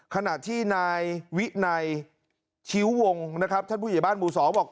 ขณะที่นายวินัยชิ้ววงนะครับท่านผู้ใหญ่บ้านหมู่๒บอก